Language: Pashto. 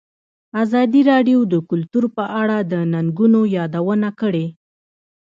ازادي راډیو د کلتور په اړه د ننګونو یادونه کړې.